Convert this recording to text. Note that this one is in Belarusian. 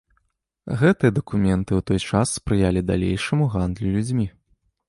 Гэтыя дакументы ў той час спрыялі далейшаму гандлю людзьмі.